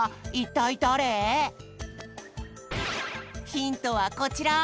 ヒントはこちら！